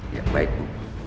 ya baik bu